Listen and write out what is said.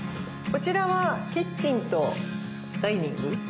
こちらはキッチンとダイニング。